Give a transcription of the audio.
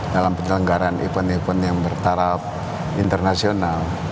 dalam penyelenggaraan event event yang bertarap internasional